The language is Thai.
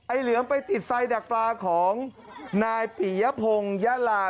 ไอ้เหลือมไปติดไซดักปลาของนายปียะพงยะรา